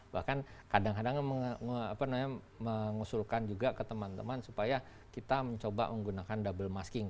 bahkan kadang kadang mengusulkan juga ke teman teman supaya kita mencoba menggunakan double masking